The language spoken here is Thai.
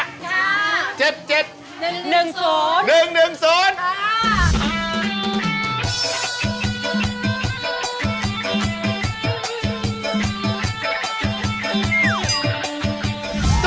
ค่ะเจ็ดเจ็ดหนึ่งหนึ่งศูนย์ค่ะ